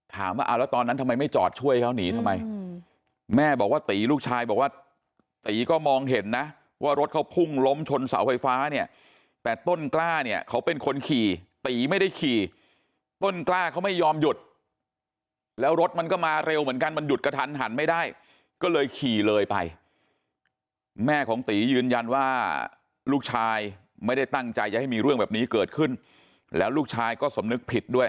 ถามว่าเอาแล้วตอนนั้นทำไมไม่จอดช่วยเขาหนีทำไมแม่บอกว่าตีลูกชายบอกว่าตีก็มองเห็นนะว่ารถเขาพุ่งล้มชนเสาไฟฟ้าเนี่ยแต่ต้นกล้าเนี่ยเขาเป็นคนขี่ตีไม่ได้ขี่ต้นกล้าเขาไม่ยอมหยุดแล้วรถมันก็มาเร็วเหมือนกันมันหยุดกระทันหันไม่ได้ก็เลยขี่เลยไปแม่ของตียืนยันว่าลูกชายไม่ได้ตั้งใจจะให้มีเรื่องแบบนี้เกิดขึ้นแล้วลูกชายก็สำนึกผิดด้วย